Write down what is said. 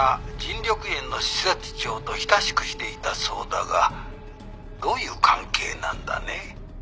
緑園の施設長と親しくしていたそうだがどういう関係なんだね？」